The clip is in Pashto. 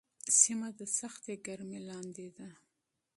سیمه د سختې ګرمۍ لاندې ده.